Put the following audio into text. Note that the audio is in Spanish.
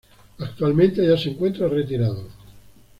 Actualmente ya se encuentra retirado.